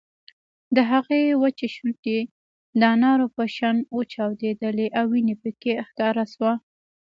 د هغې وچې شونډې د انارو په شان وچاودېدې او وينه پکې ښکاره شوه